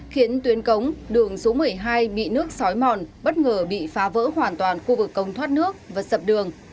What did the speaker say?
khiến tuyến cống đường số một mươi hai bị nước sói mòn bất ngờ bị phá vỡ hoàn toàn khu vực cống thoát nước và sập đường